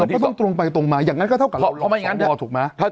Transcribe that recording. เขาต้องตรงไปตรงมา